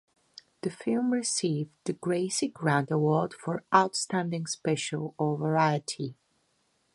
The film received the Gracie Grand Award for Outstanding Special or Variety.